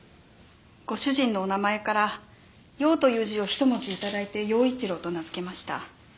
ご主人のお名前から「耀」という字を１文字頂いて耀一郎と名付けました。